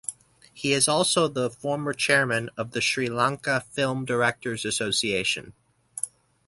He is also the former Chairman of the Sri Lanka Film Directors Association.